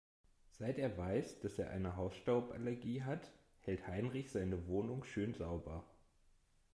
Seit er weiß, dass er eine Hausstauballergie hat, hält Heinrich seine Wohnung schön sauber.